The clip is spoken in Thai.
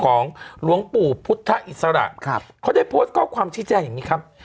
หลวงปู่พุทธอิสระครับเขาได้โพสต์ข้อความชี้แจ้งอย่างนี้ครับ